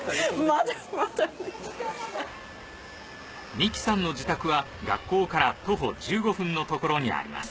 美紀さんの自宅は学校から徒歩１５分のところにあります